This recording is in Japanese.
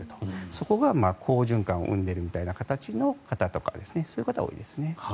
そこが好循環を生んでるみたいな形の方とかそういう方が多いですね。